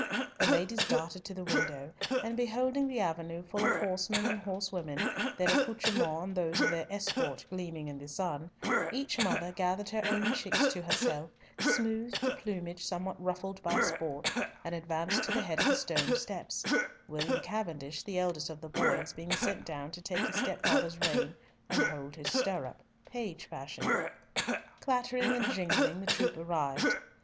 The ladies darted to the window, and beholding the avenue full of horsemen and horsewomen, their accoutrements and those of their escort gleaming in the sun, each mother gathered her own chicks to herself, smoothed the plumage somewhat ruffled by sport, and advanced to the head of the stone steps, William Cavendish, the eldest of the boys, being sent down to take his stepfather's rein and hold his stirrup, page fashion. Clattering and jingling the troop arrived.